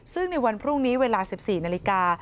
ซึ่งในวันพรุ่งนี้เวลา๑๔นาฬิกา